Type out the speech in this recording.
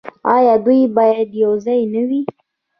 آیا دوی باید یوځای نه وي؟